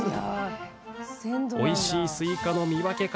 おいしいスイカの見分け方